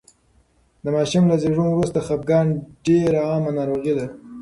د ماشوم له زېږون وروسته خپګان ډېره عامه ناروغي ده.